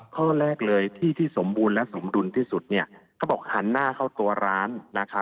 ข้อแรกเลยที่ที่สมบูรณ์และสมดุลที่สุดเขาบอกหันหน้าเข้าตัวร้านนะคะ